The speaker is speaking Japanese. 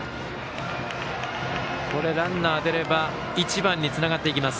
ランナー出れば１番につながっていきます。